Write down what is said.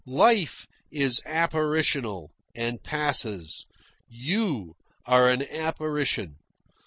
Life is apparitional, and passes. You are an apparition.